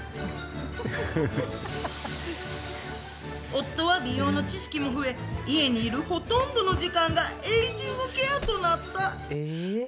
夫は美容の知識も増え、家にいるほとんどの時間がエイジングケアとなった。